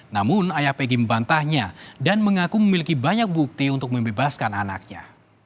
namun ayah pg membantahnya dan mengaku memiliki banyak bukti untuk membebaskan anaknya